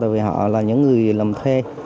vì họ là những người làm thuê